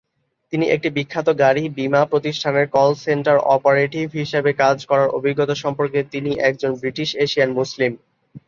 তিনি একটি বিখ্যাত গাড়ি বীমা প্রতিষ্ঠানের কল সেন্টার অপারেটিভ হিসাবে কাজ করার অভিজ্ঞতা সম্পর্কে তিনি একজন ব্রিটিশ এশিয়ান মুসলিম।